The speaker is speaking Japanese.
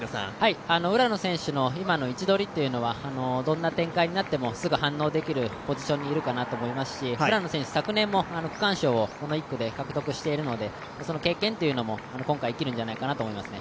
浦野選手の位置取りというのは、どんな展開になってもすぐ反応できるポジションにいるかなと思いますし、浦野選手、昨年も区間賞をこの１区で獲得しているのでその経験というのも今回生きるんじゃないかと思いますね。